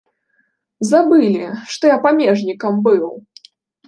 Забылі, што я памежнікам быў!